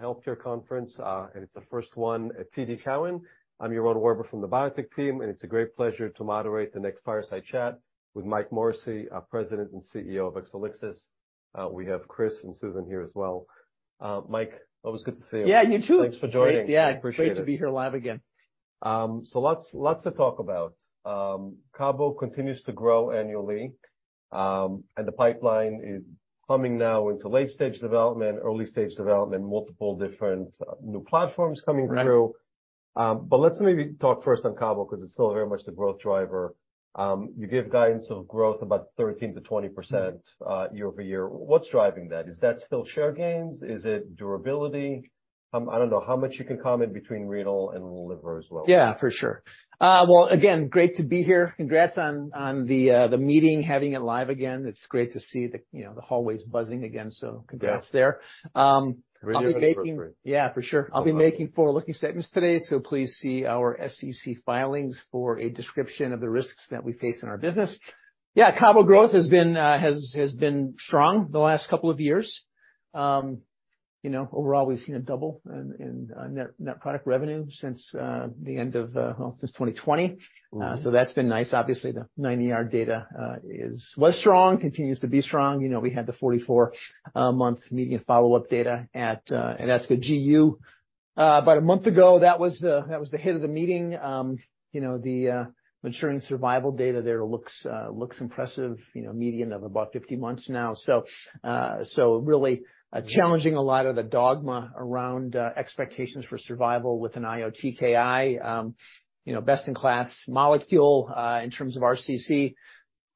Healthcare conference. It's the first one at TD Cowen. I'm Yaron Werber from the biotech team. It's a great pleasure to moderate the next fireside chat with Mike Morrissey, our President and CEO of Exelixis. We have Chris and Susan here as well. Mike, always good to see you. Yeah, you too. Thanks for joining. Yeah. Appreciate it. Great to be here live again. Lots to talk about. CABOMETYX continues to grow annually. The pipeline is coming now into late-stage development, early-stage development, multiple different new platforms coming through. Right. Let's maybe talk first on CABOMETYX because it's still very much the growth driver. You gave guidance of growth about 13%-20%. year-over-year. What's driving that? Is that still share gains? Is it durability? I don't know how much you can comment between renal and liver as well. Yeah, for sure. Well, again, great to be here. Congrats on the meeting, having it live again. It's great to see the, you know, the hallways buzzing again, so. Yeah. Congrats there. Yeah, for sure. I'll be making forward-looking statements today, so please see our SEC filings for a description of the risks that we face in our business. Yeah, CABOMETYX growth has been strong the last couple of years. you know, overall, we've seen a double in net product revenue since the end of, well, since 2020. That's been nice. Obviously, the CheckMate 9ER data is, was strong, continues to be strong. You know, we had the 44 month median follow-up data at ASCO GU. About a month ago, that was the hit of the meeting. You know, the maturing survival data there looks impressive. You know, median of about 50 months now. Really challenging a lot of the dogma around expectations for survival with an IO TKI. You know, best in class molecule in terms of RCC,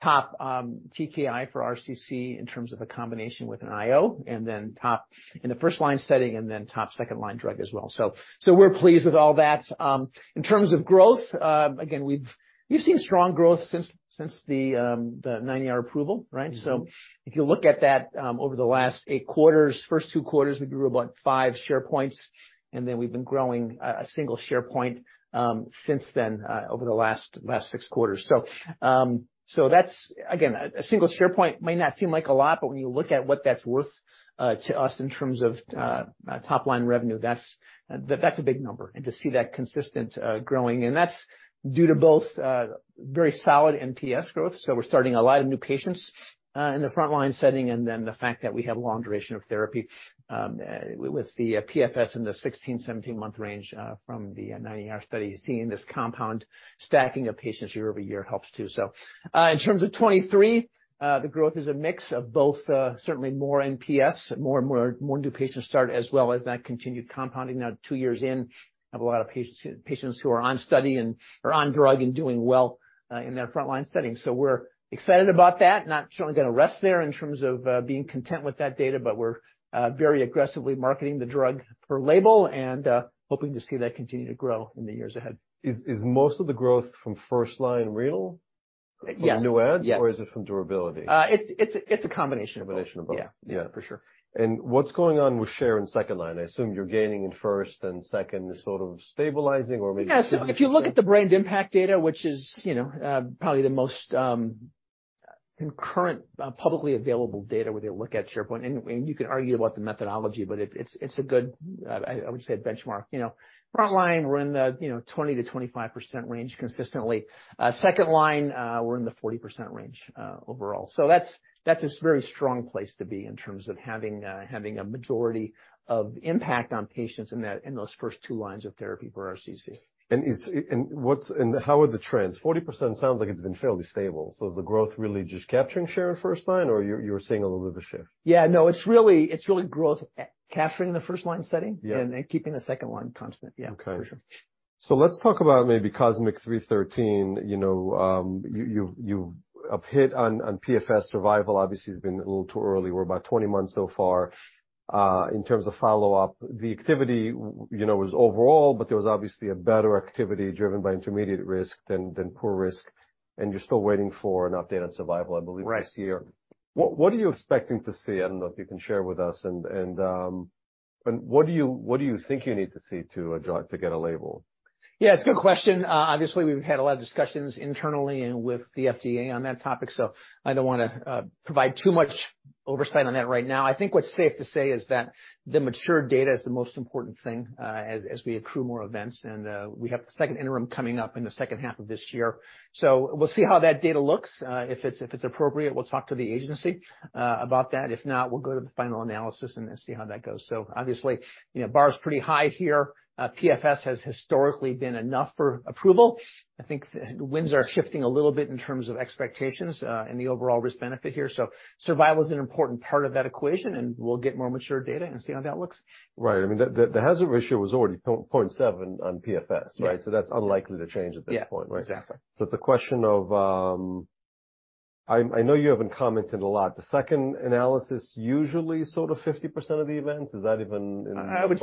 top TKI for RCC in terms of a combination with an IO, and then top in the 1st line setting and then top 2nd line drug as well. We're pleased with all that. In terms of growth, again, we've seen strong growth since the 9ER approval, right? If you look at that, over the last 8 quarters, first 2 quarters, we grew about 5 share points, and then we've been growing a single share point since then, over the last 6 quarters. That's again, a single share point may not seem like a lot, but when you look at what that's worth to us in terms of top line revenue, that's a big number. To see that consistent growing, and that's due to both very solid NPS growth. We're starting a lot of new patients in the front line setting, and then the fact that we have long duration of therapy with the PFS in the 16-17 month range from the 9ER study, seeing this compound stacking of patients year-over-year helps too. In terms of 23, the growth is a mix of both, certainly more NPS, more and more, more new patients start as well as that continued compounding. 2 years in, have a lot of patients who are on study and are on drug and doing well, in their frontline setting. We're excited about that. Not certainly gonna rest there in terms of, being content with that data, but we're, very aggressively marketing the drug per label and, hoping to see that continue to grow in the years ahead. Is most of the growth from first line renal? Yes. from new adds Yes. Is it from durability? It's a combination. Combination of both. Yeah. Yeah. For sure. What's going on with share in second line? I assume you're gaining in first, and second is sort of stabilizing or maybe. Yeah. If you look at the brand impact data, which is, you know, probably the most concurrent publicly available data where they look at SharePoint, and you can argue about the methodology, but it's a good, I would say benchmark. You know, front line, we're in the, you know, 20%-25% range consistently. Second line, we're in the 40% range overall. That's a very strong place to be in terms of having a majority of impact on patients in those first two lines of therapy for RCC. How are the trends? 40% sounds like it's been fairly stable. Is the growth really just capturing share in first line, or you're seeing a little bit of a shift? Yeah, no, it's really growth, capturing the first line setting. Yeah. Keeping the second line constant. Yeah. Okay. For sure. Let's talk about maybe COSMIC-313. You know, you've hit on PFS survival. Obviously, it's been a little too early. We're about 20 months so far. In terms of follow-up, the activity, you know, was overall, but there was obviously a better activity driven by intermediate risk than poor risk. You're still waiting for an update on survival, I believe this year. Right. What are you expecting to see? I don't know if you can share with us. What do you think you need to see to get a label? Yeah, it's a good question. Obviously, we've had a lot of discussions internally and with the FDA on that topic, I don't wanna provide too much oversight on that right now. I think what's safe to say is that the mature data is the most important thing, as we accrue more events, and we have the second interim coming up in the second half of this year. We'll see how that data looks. If it's, if it's appropriate, we'll talk to the agency about that. If not, we'll go to the final analysis and then see how that goes. Obviously, you know, bar is pretty high here. PFS has historically been enough for approval. I think the winds are shifting a little bit in terms of expectations, and the overall risk-benefit here. Survival is an important part of that equation, and we'll get more mature data and see how that looks. Right. I mean, the hazard ratio was already 0.7 on PFS, right? Yeah. That's unlikely to change at this point, right? Yeah, exactly. It's a question of, I know you haven't commented a lot. The second analysis usually sort of 50% of the events. Is that even in the? I would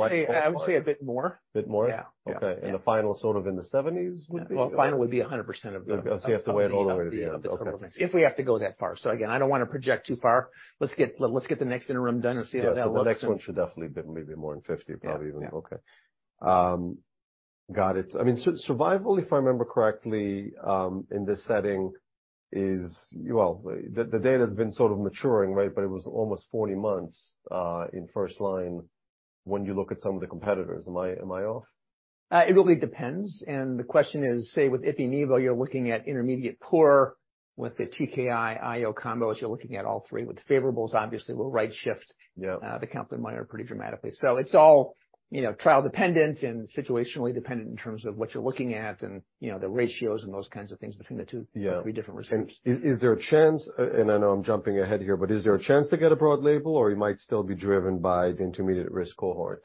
say a bit more. Bit more? Yeah. Yeah. Okay. The final sort of in the seventies, would be? Well, final would be 100%. You have to wait all the way to the end, okay. If we have to go that far. Again, I don't wanna project too far. Let's get the next interim done and see how that looks. Yeah. The next one should definitely be maybe more than 50, probably even. Yeah. Yeah. Okay. Got it. I mean, survival, if I remember correctly, in this setting is, well, the data's been sort of maturing, right? It was almost 40 months in first line when you look at some of the competitors. Am I, am I off? It really depends. The question is, say, with Ipi/Nivo, you're looking at intermediate poor with the TKI/IO combos, you're looking at all three, with favorables, obviously, will right shift. Yeah. the complement pretty dramatically. It's all, you know, trial dependent and situationally dependent in terms of what you're looking at and, you know, the ratios and those kinds of things between the two. Yeah. three different risks Is there a chance, and I know I'm jumping ahead here, but is there a chance to get a broad label or you might still be driven by the intermediate risk cohort?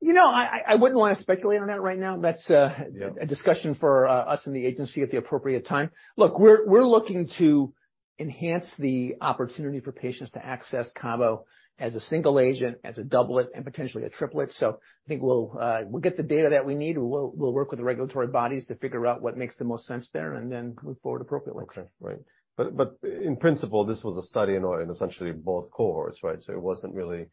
You know, I wouldn't wanna speculate on that right now. That's. Yeah. A discussion for us and the agency at the appropriate time. Look, we're looking to enhance the opportunity for patients to access CABOMETYX as a single agent, as a doublet, and potentially a triplet. I think we'll get the data that we need. We'll work with the regulatory bodies to figure out what makes the most sense there and then move forward appropriately. Okay. Right. In principle, this was a study in essentially both cohorts, right? It wasn't really.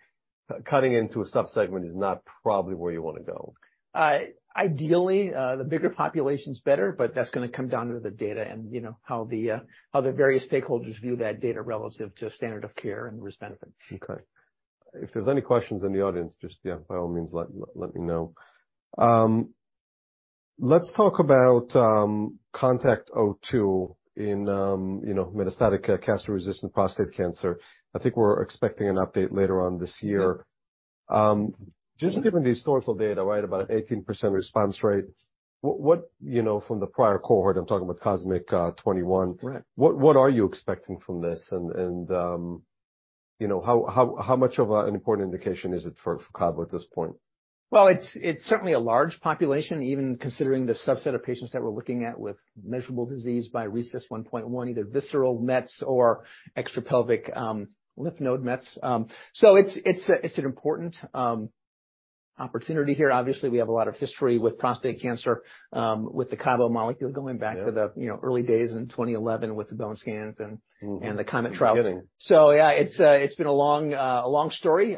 Cutting into a sub-segment is not probably where you wanna go. Ideally, the bigger population's better, but that's gonna come down to the data and, you know, how the various stakeholders view that data relative to standard of care and risk benefit. Okay. If there's any questions in the audience, just, yeah, by all means, let me know. Let's talk about CONTACT-02 in, you know, metastatic castration-resistant prostate cancer. I think we're expecting an update later on this year. Yeah. Just given the historical data, right? About 18% response rate, what, you know, from the prior cohort, I'm talking about COSMIC-021. Right. What are you expecting from this? you know, how much of an important indication is it for CABOMETYX at this point? Well, it's certainly a large population, even considering the subset of patients that we're looking at with measurable disease by RECIST 1.1, either visceral mets or extra pelvic, lymph node mets. It's an important opportunity here. Obviously, we have a lot of history with prostate cancer, with the Cabo molecule going back- Yeah. To the, you know, early days in 2011 with the bone scans and. The COMET trial. In the beginning. yeah, it's been a long, a long story.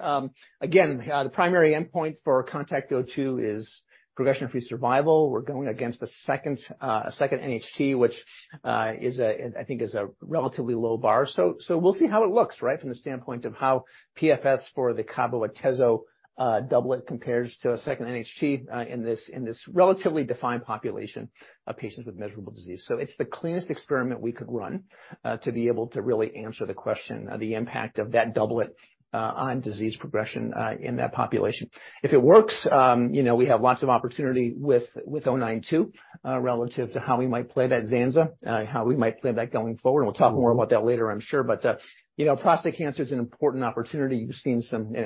again, the primary endpoint for CONTACT-02 is progression-free survival. We're going against a second NHT, which, and I think is a relatively low bar. we'll see how it looks, right? From the standpoint of how PFS for the CABOMETYX/atezolizumab doublet compares to a second NHT, in this relatively defined population of patients with measurable disease. It's the cleanest experiment we could run to be able to really answer the question of the impact of that doublet on disease progression in that population. If it works, you know, we have lots of opportunity with XL092 relative to how we might play that zanzalintinib, how we might play that going forward. We'll talk more about that later, I'm sure. You know, prostate cancer is an important opportunity.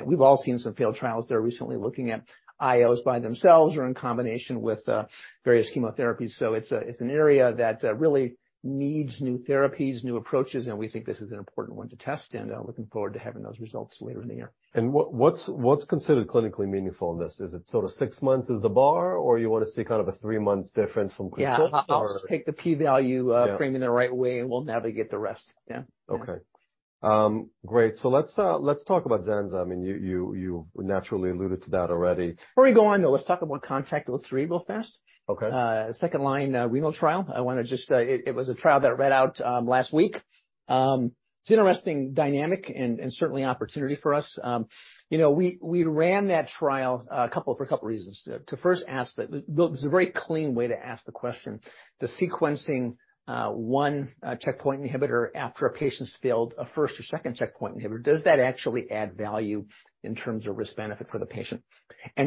We've all seen some failed trials that are recently looking at IOs by themselves or in combination with various chemotherapies. It's a, it's an area that really needs new therapies, new approaches, and we think this is an important one to test, and looking forward to having those results later in the year. What's considered clinically meaningful in this? Is it sort of six months is the bar, or you wanna see kind of a three months difference from Control? Yeah. I'll just take the P value. Yeah. frame it the right way, and we'll navigate the rest. Yeah. Okay. great. let's talk about zanzalintinib. I mean, you naturally alluded to that already. Before we go on, though, let's talk about CONTACT-03 real fast. Okay. second line renal trial. I wanna just. It was a trial that read out last week. It's an interesting dynamic and certainly opportunity for us. You know, we ran that trial for a couple reasons. Well, it was a very clean way to ask the question, does sequencing one checkpoint inhibitor after a patient's failed a first or second checkpoint inhibitor, does that actually add value in terms of risk benefit for the patient?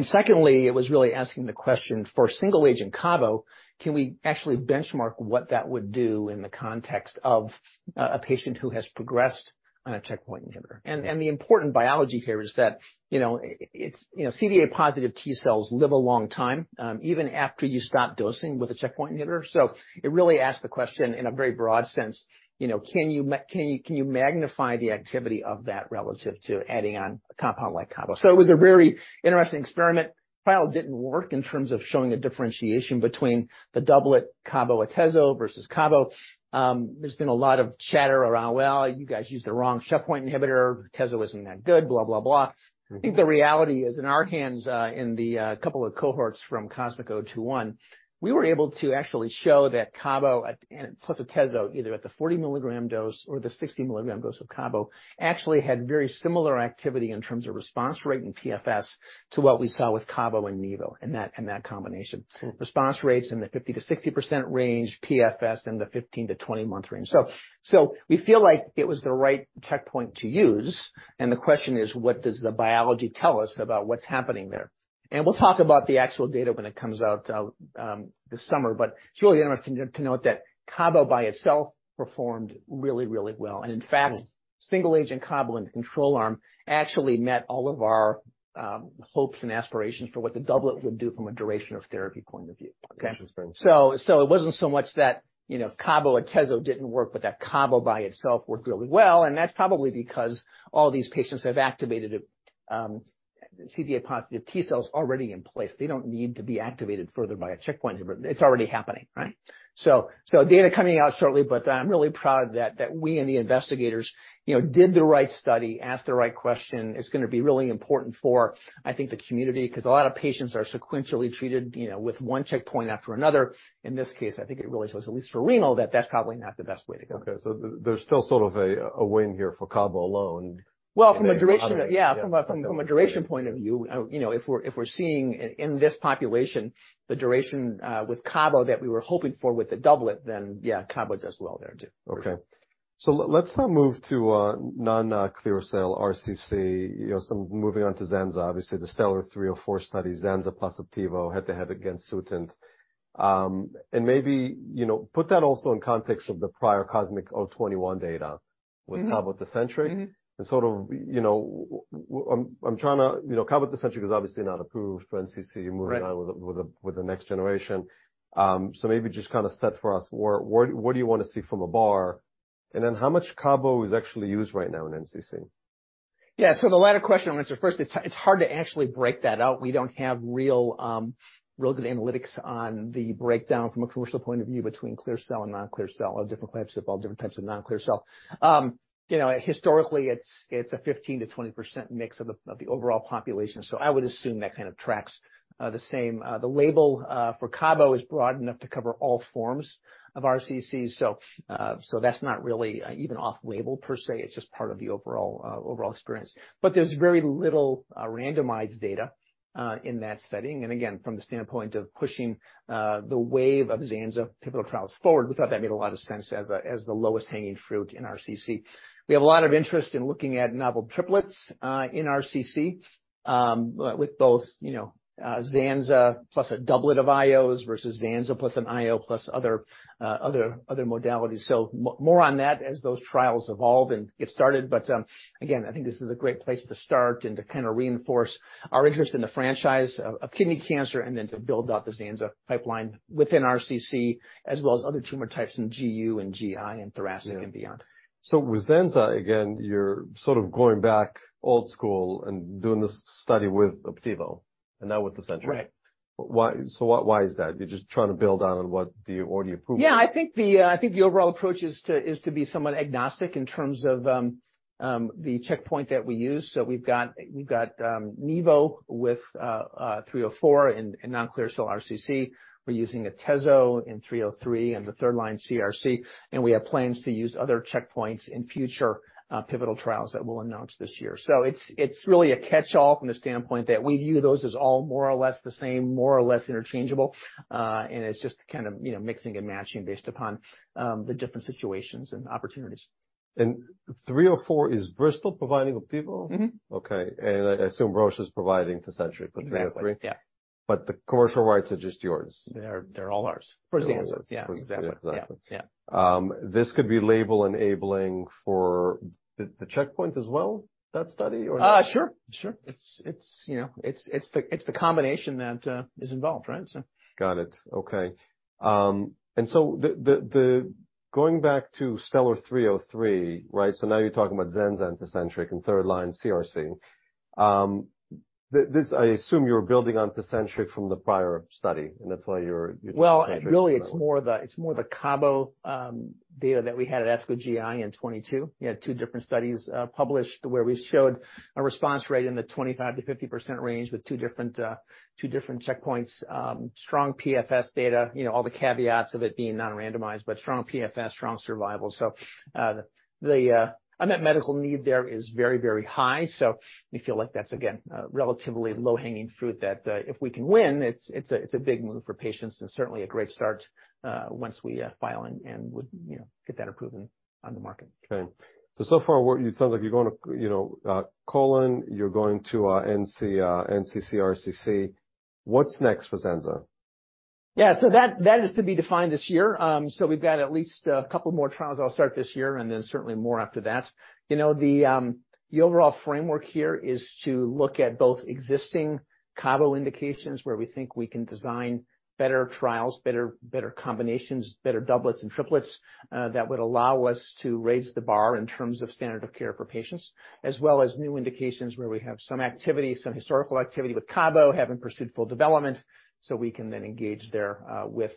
Secondly, it was really asking the question, for single agent cabo, can we actually benchmark what that would do in the context of a patient who has progressed on a checkpoint inhibitor? The important biology here is that, you know, it's, you know, CD8-positive T cells live a long time, even after you stop dosing with a checkpoint inhibitor. It really asked the question in a very broad sense, you know, can you, can you magnify the activity of that relative to adding on a compound like cabo? It was a very interesting experiment. Trial didn't work in terms of showing a differentiation between the doublet cabo/atezo versus cabo. There's been a lot of chatter around, "Well, you guys used the wrong checkpoint inhibitor. Atezo isn't that good, blah, blah. I think the reality is, in our hands, in the couple of cohorts from COSMIC-021, we were able to actually show that CABOMETYX plus atezolizumab, either at the 40 milligram dose or the 60 milligram dose of CABOMETYX, actually had very similar activity in terms of response rate and PFS to what we saw with CABOMETYX and nivolumab and that combination. Response rates in the 50%-60% range, PFS in the 15-20 month range. We feel like it was the right checkpoint to use. The question is, what does the biology tell us about what's happening there? We'll talk about the actual data when it comes out this summer. It's really interesting to note that CABOMETYX by itself performed really, really well. In fact, single agent CABOMETYX in the control arm actually met all of our hopes and aspirations for what the doublet would do from a duration of therapy point of view. Okay? Interesting. It wasn't so much that, you know, Cabo/Atezo didn't work, but that Cabo by itself worked really well, and that's probably because all these patients have activated CD8-positive T cells already in place. They don't need to be activated further by a checkpoint inhibitor. It's already happening, right? Data coming out shortly, but I'm really proud that we and the investigators, you know, did the right study, asked the right question. It's gonna be really important for, I think, the community, 'cause a lot of patients are sequentially treated, you know, with one checkpoint after another. In this case, I think it really shows, at least for renal, that that's probably not the best way to go. Okay. There's still sort of a win here for CABOMETYX alone. Well, Yeah, from a duration point of view, you know, if we're seeing in this population the duration with CABOMETYX that we were hoping for with the doublet, then yeah, CABOMETYX does well there too. Okay. let's now move to non-clear cell RCC. You know, some moving on to zanza. Obviously, the STELLAR three or four studies, zanza plus Opdivo head-to-head against Sutent. Maybe, you know, put that also in context of the prior COSMIC-021 data. With CABOMETYX TECENTRIQ. Sort of, you know, I'm trying to... You know, CABOMETYX Tecentriq is obviously not approved for NCC... Right. Moving on with the next generation. Maybe just kinda set for us where, what do you wanna see from a bar? How much CABOMETYX is actually used right now in NCC? Yeah. The latter question I'm gonna answer first. It's hard to actually break that out. We don't have real good analytics on the breakdown from a commercial point of view between clear cell and non-clear cell or different types of, all different types of non-clear cell. You know, historically, it's a 15%-20% mix of the overall population. I would assume that kind of tracks the same. The label for CABOMETYX is broad enough to cover all forms of RCC. That's not really even off label per se. It's just part of the overall experience. There's very little randomized data in that setting. Again, from the standpoint of pushing the wave of zanza pivotal trials forward, we thought that made a lot of sense as the lowest hanging fruit in RCC. We have a lot of interest in looking at novel triplets in RCC, with both, you know, zanza plus a doublet of IOs versus zanza plus an IO plus other modalities. More on that as those trials evolve and get started. Again, I think this is a great place to start and to kinda reinforce our interest in the franchise of kidney cancer and then to build out the zanza pipeline within RCC as well as other tumor types in GU and GI and thoracic and beyond. With zanza, again, you're sort of going back old school and doing this study with Opdivo and now with Tecentriq. Right. Why is that? You're just trying to build on what you already approved? Yeah. I think the, I think the overall approach is to be somewhat agnostic in terms of the checkpoint that we use. We've got nivolumab with 304 in non-clear cell RCC. We're using atezolizumab in 303 in the third line CRC, and we have plans to use other checkpoints in future pivotal trials that we'll announce this year. It's really a catch-all from the standpoint that we view those as all more or less the same, more or less interchangeable. It's just kind of, you know, mixing and matching based upon the different situations and opportunities. 304 is Bristol providing Opdivo? Okay. I assume Roche is providing TECENTRIQ for 303. Exactly, yeah. The commercial rights are just yours. They're all ours. For zanza. For Zanza. Yeah. Exactly. Exactly. Yeah. Yeah. This could be label enabling for the checkpoints as well, that study or no? Sure. It's, you know, it's the combination that is involved, right? So. Got it. Okay. Going back to STELLAR-303, right? Now you're talking about zanza and TECENTRIQ in third-line CRC. This, I assume you're building on TECENTRIQ from the prior study, and that's why you're doing TECENTRIQ. Really, it's more the CABOMETYX data that we had at ASCO GI in 2022. We had 2 different studies published where we showed a response rate in the 25%-50% range with 2 different checkpoints. Strong PFS data, you know, all the caveats of it being non-randomized, but strong PFS, strong survival. The unmet medical need there is very, very high. We feel like that's again, a relatively low hanging fruit that if we can win, it's a big move for patients and certainly a great start once we file and would, you know, get that approved and on the market. Okay. So far it sounds like you're going to, you know, colon, you're going to, NC, NCC, RCC. What's next for zanza? Yeah. That, that is to be defined this year. We've got at least a couple more trials that'll start this year, and then certainly more after that. You know, the overall framework here is to look at both existing CABOMETYX indications where we think we can design better trials, better combinations, better doublets and triplets, that would allow us to raise the bar in terms of standard of care for patients, as well as new indications where we have some activity, some historical activity with CABOMETYX, haven't pursued full development, so we can then engage there, with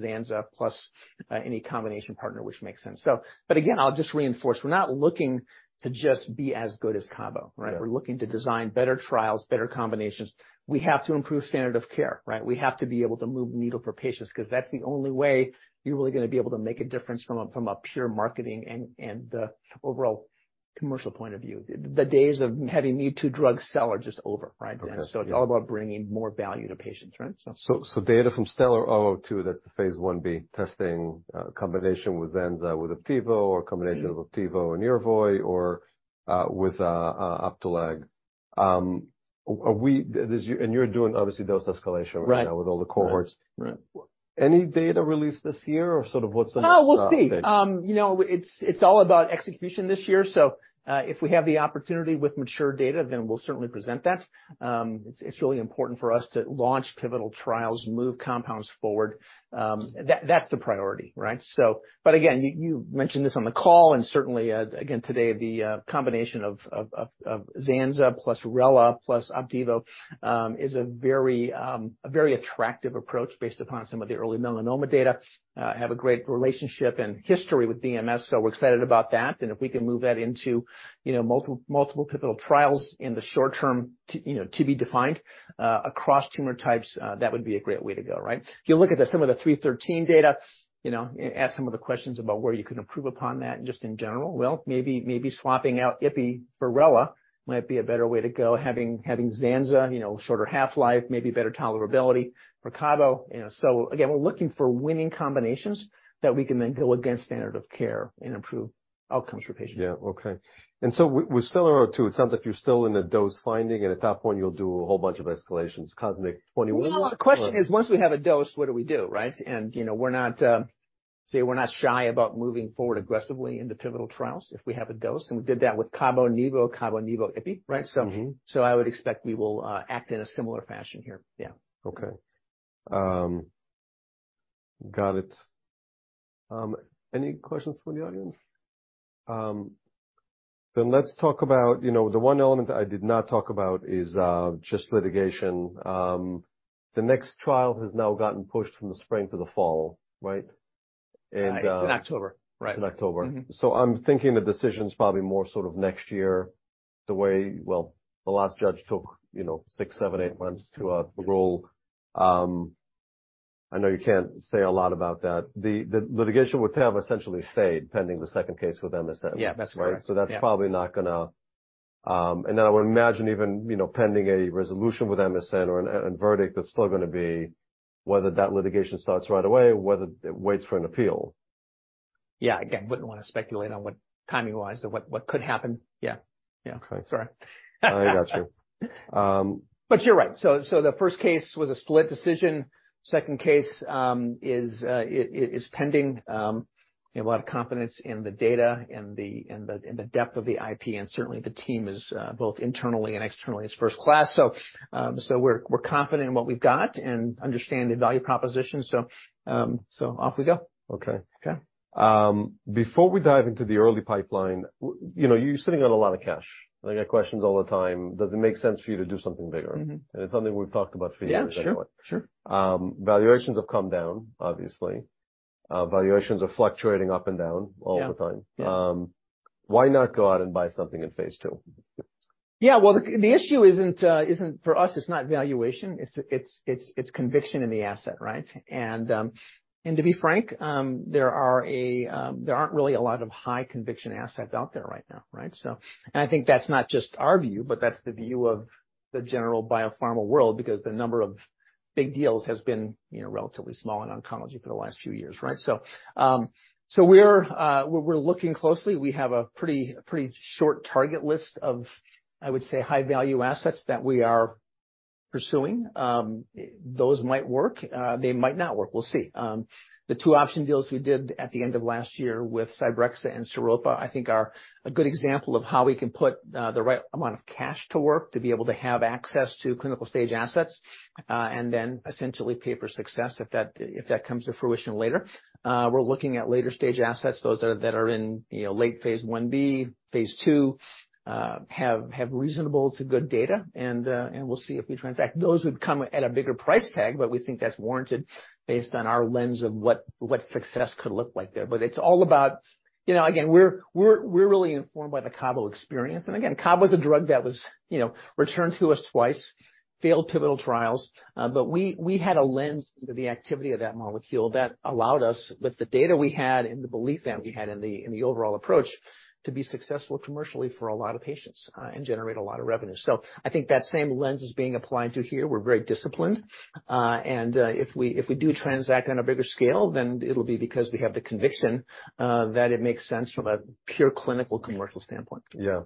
zanza plus, any combination partner which makes sense. Again, I'll just reinforce, we're not looking to just be as good as CABOMETYX, right? Yeah. We're looking to design better trials, better combinations. We have to improve standard of care, right? We have to be able to move the needle for patients 'cause that's the only way you're really gonna be able to make a difference from a pure marketing and overall commercial point of view. The days of having me two drugs sell are just over, right? Okay. It's all about bringing more value to patients, right? Data from STELLAR-002, that's the phase Ib testing, combination with zanza, with Opdivo. Of Opdivo and Yervoy or with Opdualag. Are we, and you're doing obviously dose escalation right now? Right. With all the cohorts. Right. Right. Any data released this year or sort of what's the next thing? We'll see. You know, it's all about execution this year. If we have the opportunity with mature data, then we'll certainly present that. It's, it's really important for us to launch pivotal trials, move compounds forward. That, that's the priority, right? But again, you mentioned this on the call and certainly, again today, the combination of zanzalintinib plus relatlimab plus Opdivo is a very attractive approach based upon some of the early melanoma data. Have a great relationship and history with BMS, so we're excited about that. If we can move that into, you know, multiple pivotal trials in the short term to, you know, to be defined across tumor types, that would be a great way to go, right? If you look at the some of the STELLAR-313 data, you know, ask some of the questions about where you can improve upon that just in general. Well, maybe swapping out IPI for relatlimab might be a better way to go, having ZANSA, you know, shorter half-life, maybe better tolerability for CABOMETYX, you know. Again, we're looking for winning combinations that we can then go against standard of care and improve outcomes for patients. Yeah. Okay. We're still around 2. It sounds like you're still in the dose finding, and at that point you'll do a whole bunch of escalations. COSMIC-021. Well, the question is, once we have a dose, what do we do, right? You know, we're not, say we're not shy about moving forward aggressively into pivotal trials if we have a dose, and we did that with CABOMETYX-nivolumab, CABOMETYX-nivolumab IPI, right? I would expect we will act in a similar fashion here. Yeah. Okay. Got it. Any questions from the audience? Let's talk about, you know, the one element I did not talk about is just litigation. The next trial has now gotten pushed from the spring to the fall, right? And. It's in October. Right. It's in October. I'm thinking the decision's probably more sort of next year, the way. Well, the last judge took, you know, 6, 7, 8 months to rule. I know you can't say a lot about that. The litigation with TAM essentially stayed pending the second case with MSN. Yeah, that's correct. Right? That's probably not gonna. I would imagine even, you know, pending a resolution with MSN or, and verdict, that's still gonna be whether that litigation starts right away or whether it waits for an appeal. Yeah. Again, wouldn't wanna speculate on what timing wise or what could happen. Yeah. Yeah. Okay. Sorry. I got you. You're right. The first case was a split decision. Second case, it is pending. We have a lot of confidence in the data and the depth of the IP, and certainly the team is, both internally and externally is first class. We're confident in what we've got and understand the value proposition. Off we go. Okay. Okay. Before we dive into the early pipeline, you know, you're sitting on a lot of cash, and I get questions all the time. Does it make sense for you to do something bigger? It's something we've talked about for years anyway. Yeah. Sure. Sure. Valuations have come down, obviously. Valuations are fluctuating up and down all the time. Yeah. Yeah. Why not go out and buy something in phase II? Yeah. Well, the issue isn't for us, it's not valuation. It's conviction in the asset, right? To be frank, there aren't really a lot of high conviction assets out there right now, right? I think that's not just our view, but that's the view of the general biopharma world because the number of big deals has been, you know, relatively small in oncology for the last few years, right? We're looking closely. We have a pretty short target list of, I would say, high value assets that we are pursuing. Those might work. They might not work. We'll see. The two option deals we did at the end of last year with Cybrexa and Sairopa, I think are a good example of how we can put the right amount of cash to work to be able to have access to clinical stage assets, and then essentially pay for success if that comes to fruition later. We're looking at later stage assets, those that are in, you know, late phase Ib, phase II, have reasonable to good data, and we'll see if we transact. Those would come at a bigger price tag. We think that's warranted based on our lens of what success could look like there. It's all about. You know, again, we're really informed by the Cabo experience. Again, Cabo is a drug that was, you know, returned to us twice, failed pivotal trials. We had a lens into the activity of that molecule that allowed us, with the data we had and the belief that we had in the, in the overall approach, to be successful commercially for a lot of patients, and generate a lot of revenue. I think that same lens is being applied to here. We're very disciplined. If we do transact on a bigger scale, then it'll be because we have the conviction, that it makes sense from a pure clinical commercial standpoint. Yeah.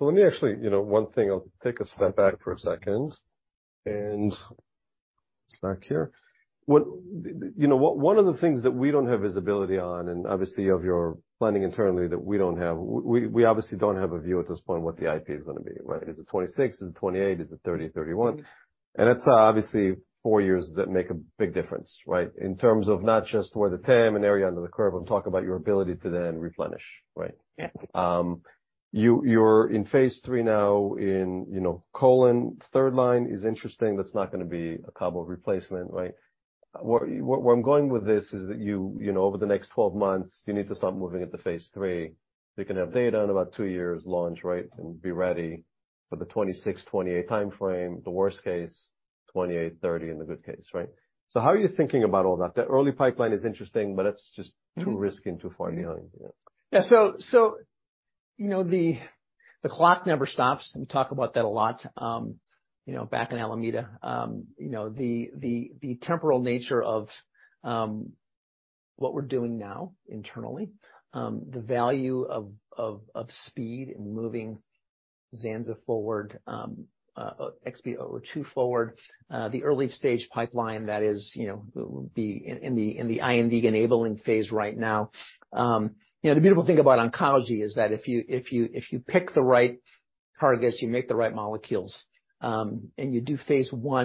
Let me actually, you know, one thing, I'll take a step back for a second and back here. You know what, one of the things that we don't have visibility on, and obviously of your planning internally that we don't have, we obviously don't have a view at this point what the IP is gonna be, right? Is it 26? Is it 28? Is it 30, 31? It's obviously four years that make a big difference, right? In terms of not just where the TAM and area under the curve, I'm talking about your ability to then replenish, right? Yeah. you're in phase III now in, you know, colon. Third line is interesting. That's not gonna be a CABOMETYX replacement, right? Where I'm going with this is that you know, over the next 12 months, you need to start moving into phase III. You can have data in about 2 years, launch, right, and be ready for the 2026-2028 timeframe. The worst case, 2028-2030 in the good case, right? How are you thinking about all that? The early pipeline is interesting, but it's just too risky and too far behind. Yeah. Yeah. you know, the clock never stops, and we talk about that a lot, you know, back in Alameda. You know, the temporal nature of what we're doing now internally, the value of speed in moving Zanza forward, XB002 forward, the early-stage pipeline that is, you know, will be in the IND-enabling phase right now. You know, the beautiful thing about oncology is that if you pick the right targets, you make the right molecules, and you do phase I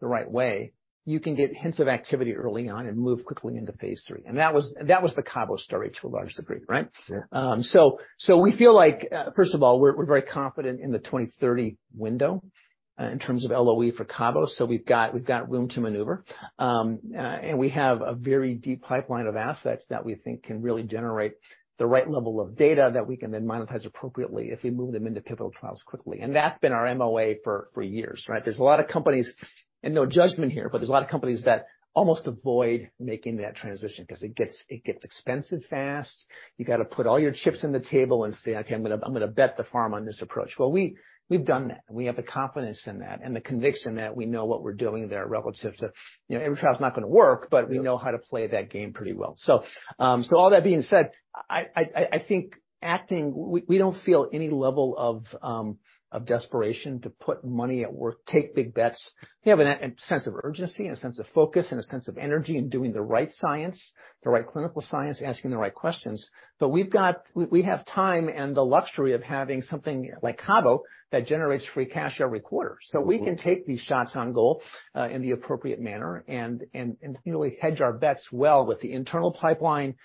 the right way, you can get hints of activity early on and move quickly into phase III. That was the Cabo story to a large degree, right? Yeah. We feel like first of all, we're very confident in the 2030 window in terms of LOE for Cabo. We've got room to maneuver. We have a very deep pipeline of assets that we think can really generate the right level of data that we can then monetize appropriately if we move them into pivotal trials quickly. That's been our MOA years, right? There's a lot of companies, and no judgment here, but there's a lot of companies that almost avoid making that transition because it gets expensive fast. You gotta put all your chips on the table and say, "Okay, I'm gonna bet the farm on this approach." Well, we've done that, and we have the confidence in that and the conviction that we know what we're doing there relative to... You know, every trial is not gonna work, but we know how to play that game pretty well. All that being said, We don't feel any level of desperation to put money at work, take big bets. We have a sense of urgency and a sense of focus and a sense of energy in doing the right science, the right clinical science, asking the right questions. We have time and the luxury of having something like CABOMETYX that generates free cash every quarter. We can take these shots on goal, in the appropriate manner and really hedge our bets well with the internal pipeline,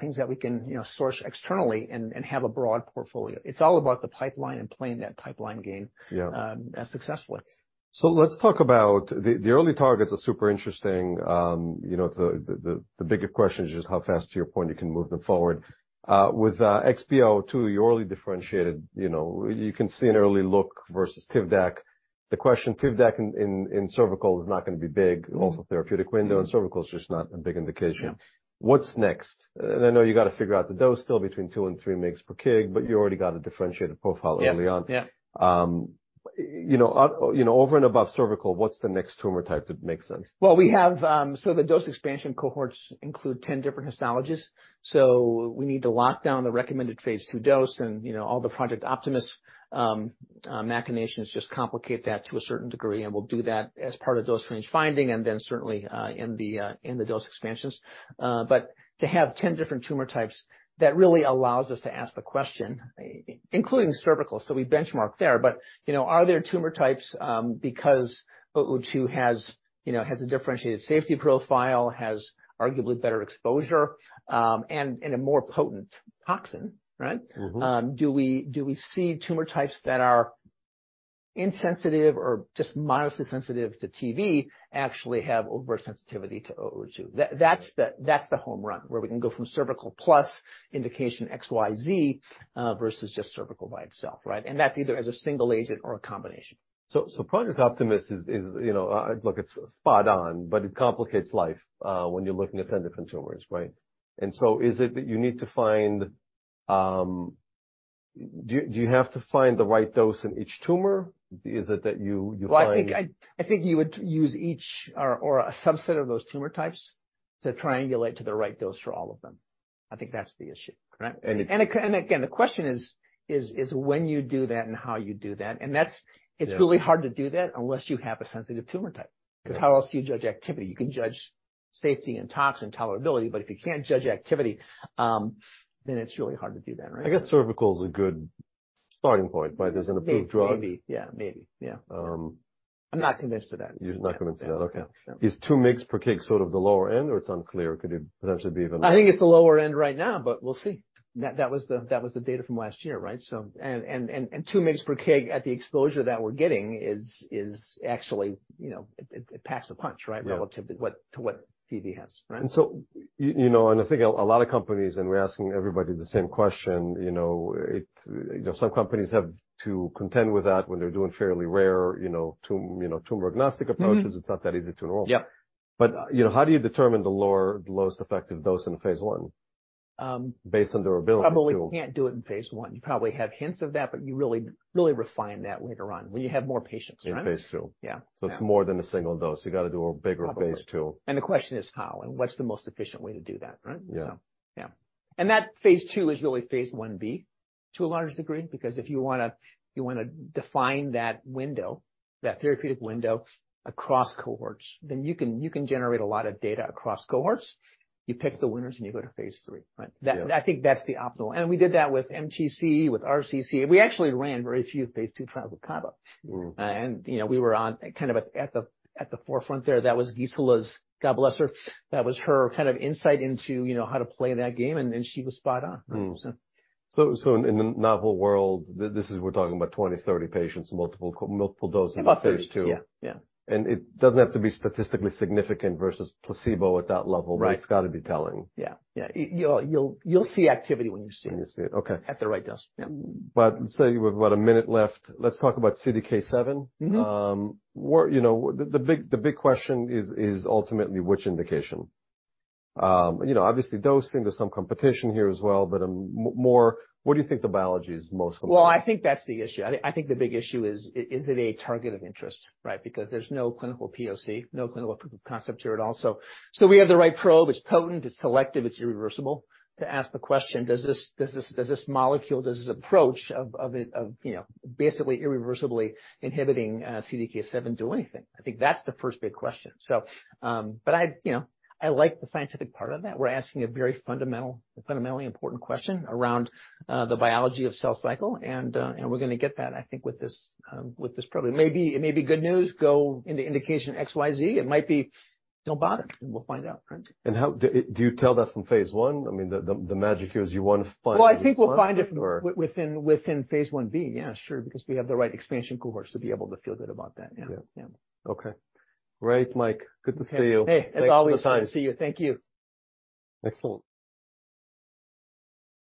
things that we can, you know, source externally and have a broad portfolio. It's all about the pipeline and playing that pipeline game. Yeah. as successfully. Let's talk about the early targets are super interesting, you know, the bigger question is just how fast, to your point, you can move them forward. With XB002, you're already differentiated, you know, you can see an early look versus Tivdak. The question Tivdak in cervical is not gonna be big. Therapeutic window, and cervical is just not a big indication. Yeah. What's next? I know you got to figure out the dose still between 2 and 3 mgs per kg. You already got a differentiated profile early on. Yeah. Yeah. You know, you know, over and above cervical, what's the next tumor type that makes sense? We have. The dose expansion cohorts include 10 different histologies. We need to lock down the recommended phase II dose and, you know, all the Project Optimist machinations just complicate that to a certain degree, and we'll do that as part of dose range finding and then certainly in the dose expansions. To have 10 different tumor types, that really allows us to ask the question, including cervical, so we benchmark there. You know, are there tumor types, because XB002 has, you know, has a differentiated safety profile, has arguably better exposure, and a more potent toxin, right? Do we see tumor types that are insensitive or just modestly sensitive to TF actually have oversensitivity to XB002? That's the home run, where we can go from cervical plus indication XYZ versus just cervical by itself, right? That's either as a single agent or a combination. Project Optimist is, you know, look, it's spot on, but it complicates life, when you're looking at 10 different tumors, right? Is it that you need to find, Do you have to find the right dose in each tumor? Is it that you Well, I think you would use each or a subset of those tumor types to triangulate to the right dose for all of them. I think that's the issue, right? And it's- Again, and again, the question is when you do that and how you do that. Yeah. It's really hard to do that unless you have a sensitive tumor type. Yeah. 'Cause how else do you judge activity? You can judge safety and toxin tolerability, but if you can't judge activity, then it's really hard to do that, right? I guess cervical is a good starting point, right? There's an approved drug. Maybe. Yeah. Maybe. Yeah. I'm not convinced of that. You're not convinced of that. Okay. Yeah. No. Is 2 mgs per kg sort of the lower end or it's unclear? Could it potentially be even- I think it's the lower end right now, but we'll see. That was the data from last year, right? 2 mgs per kg at the exposure that we're getting is actually, you know, it packs a punch, right? Yeah. Relative to what Padcev has, right? you know, and I think a lot of companies, and we're asking everybody the same question, you know, you know, some companies have to contend with that when they're doing fairly rare, you know, tumor-agnostic approaches. It's not that easy to enroll. Yeah. you know, how do you determine the lowest effective dose in phase I, based on durability too? Probably can't do it in phase I. You probably have hints of that, but you really, really refine that later on when you have more patients, right? In phase II. Yeah. Yeah. It's more than a single dose. You gotta do a bigger phase II. Probably. The question is how, and what's the most efficient way to do that, right? Yeah. Yeah. That phase II is really phase Ib to a large degree. If you wanna define that window, that therapeutic window across cohorts, you can generate a lot of data across cohorts. You pick the winners, and you go to phase III, right? Yeah. I think that's the optimal. We did that with MTC, with RCC. We actually ran very few phase II trials with Cabo. You know, we were on kind of at the forefront there. That was Gisela's, God bless her. That was her kind of insight into, you know, how to play that game, and then she was spot on. So. In the novel world, this is we're talking about 20, 30 patients, multiple doses in phase II. About 30. Yeah. Yeah. It doesn't have to be statistically significant versus placebo at that level. Right. It's gotta be telling. Yeah. Yeah. You'll see activity when you see it. When you see it. Okay. At the right dose. Yeah. With about a minute left, let's talk about CDK7. What, you know, the big question is ultimately which indication? You know, obviously dosing, there's some competition here as well, but more what do you think the biology is most compelling? I think that's the issue. I think the big issue is it a target of interest, right? Because there's no clinical POC, no clinical concept here at all. We have the right probe. It's potent, it's selective, it's irreversible. To ask the question, does this molecule, does this approach of it, you know, basically irreversibly inhibiting CDK7 do anything? I think that's the first big question. But I, you know, I like the scientific part of that. We're asking a very fundamental, fundamentally important question around the biology of cell cycle and we're gonna get that, I think with this program. It may be, it may be good news, go into indication XYZ. It might be don't bother, and we'll find out, right? How do you tell that from phase I? I mean, the magic here is you wanna find it in phase I? Well, I think we'll find. Or- within phase Ib. Yeah, sure, because we have the right expansion cohorts to be able to feel good about that. Yeah. Yeah. Yeah. Okay. Great, Mike. Good to see you. Hey. As always. Thanks for the time. good to see you. Thank you. Excellent.